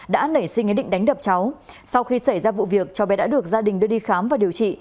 đã nảy sinh ý định đánh đập cháu sau khi xảy ra vụ việc cháu bé đã được gia đình đưa đi khám và điều trị